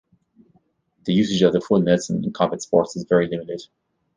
The usage of the full nelson in combat sports is very limited.